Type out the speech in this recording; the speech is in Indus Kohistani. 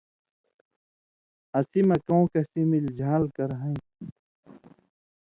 اسی مہ کؤں کسی مِلیۡ ژھان٘ل کر ہَیں تُھو،